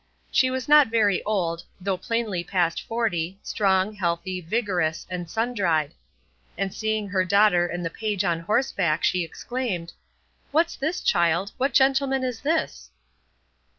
She was not very old, though plainly past forty, strong, healthy, vigorous, and sun dried; and seeing her daughter and the page on horseback, she exclaimed, "What's this, child? What gentleman is this?"